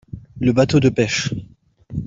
Le bâteau de pêche.